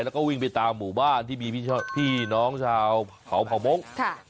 แล้วก็วิ่งไปตามหมู่บ้านที่มีพี่น้องชาวเขาเผามงค์